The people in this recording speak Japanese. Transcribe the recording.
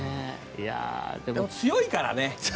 でも、強いからね。